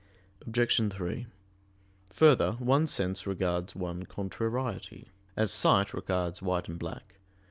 Obj. 3: Further, one sense regards one contrariety; as sight regards white and black.